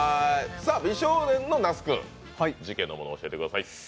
美少年の那須君、事件なもの教えてください。